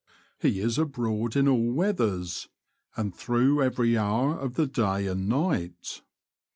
He is abroad in all weathers, and through every hour of the day and night.